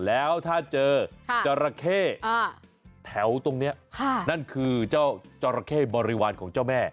แล้วถ้าเจอจราเข้แถวตรงนี้นั่นคือเจ้าจราเข้บริวารของเจ้าแม่